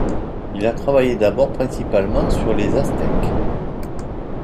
Il a travaillé d'abord principalement sur les Aztèques.